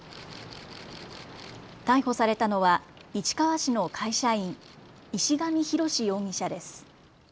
逮捕されたのは市川市の会社員、石上浩志容疑者です。